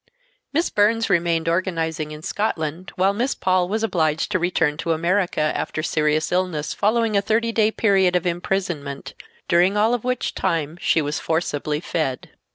Miss Burns remained organizing in Scotland while Miss Paul was obliged to return to America after serious illness following a thirty day period of imprisonment, during all of which time she was forcibly fed.